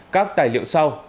các tài liệu sau